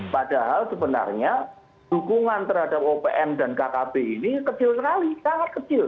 padahal sebenarnya dukungan terhadap opm dan kkb ini kecil sekali sangat kecil